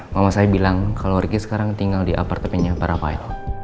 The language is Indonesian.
mama saya bilang kalau ricky sekarang tinggal di apartemennya para file